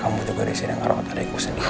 kamu juga disini dengan otot adikku sendiri ya